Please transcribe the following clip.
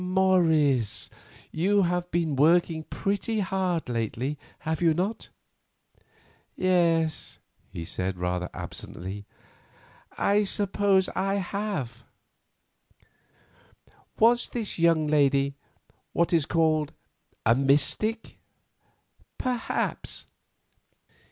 Morris, you have been working pretty hard lately, have you not?" "Yes," he replied, absently, "I suppose I have." "Was this young lady what is called a mystic?" "Perhaps.